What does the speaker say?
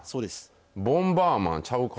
ボンバーマンちゃうか。